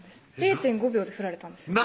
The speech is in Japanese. ０．５秒で振られたんですよ